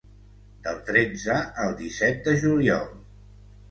Del tretze al disset de juliol.